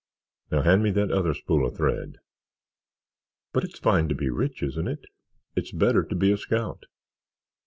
Now hand me that other spool of thread." "But it's fine to be rich, isn't it?" "It's better to be a scout.